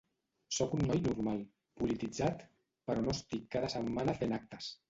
Sóc un noi normal, polititzat, però no estic cada setmana fent actes.